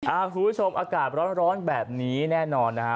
คุณผู้ชมอากาศร้อนแบบนี้แน่นอนนะฮะ